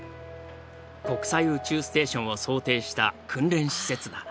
国際宇宙ステーションを想定した訓練施設だ。